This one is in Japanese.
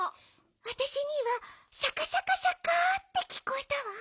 わたしにはシャカシャカシャカってきこえたわ。